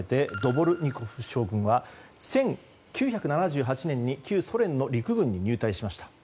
ドボルニコフ将軍は１９７８年に旧ソ連の陸軍に入隊しました。